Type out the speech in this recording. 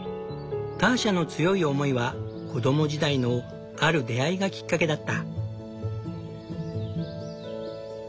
ターシャの強い思いは子供時代のある出会いがきっかけだった。